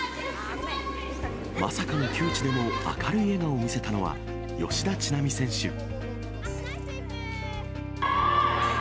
まさかの窮地でも明るい笑顔を見せたのは、吉田知那美選手。